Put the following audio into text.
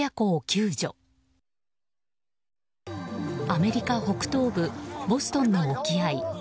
アメリカ北東部ボストンの沖合。